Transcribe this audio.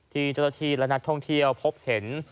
ที่เจ้าหน้าที่และนักท่องเที่ยวพบเห็น